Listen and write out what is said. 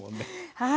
はい。